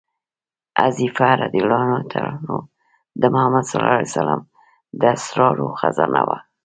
حذیفه رض د محمد صلی الله علیه وسلم د اسرارو خزانه وه.